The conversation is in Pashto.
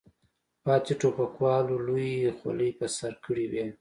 پاتې ټوپکوالو لویې خولۍ په سر کړې وې.